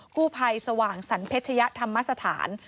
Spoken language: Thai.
กู้ภัยสว่างสรรเพชยธรรมสถาน